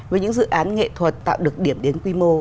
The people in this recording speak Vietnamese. với những dự án nghệ thuật tạo được điểm đến quy mô